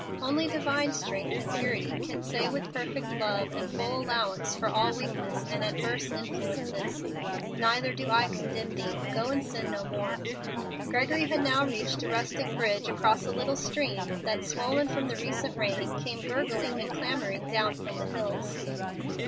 Only divine strength and purity can say with perfect love and full allowance for all weakness and adverse influences, "Neither do I condemn thee; go, and sin no more." Gregory had now reached a rustic bridge across a little stream that, swollen from the recent rain, came gurgling and clamoring down from the hills.